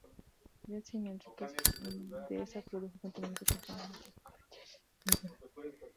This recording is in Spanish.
Ya sin Enríquez, Dehesa pudo continuar su campaña —y más tarde convertirse en gobernador—.